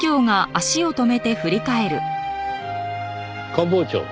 官房長。